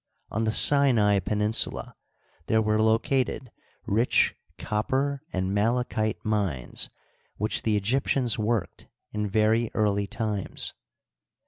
On the Sinai peninsula there were located rich copper and malachite mines which the Egyp tions worked in very early times.